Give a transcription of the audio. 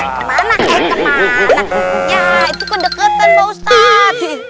ya itu kedekatan pak ustadz